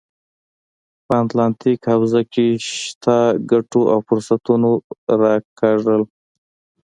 په اتلانتیک حوزه کې شته ګټو او فرصتونو راکاږل.